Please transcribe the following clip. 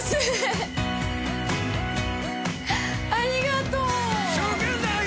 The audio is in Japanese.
ありがとう！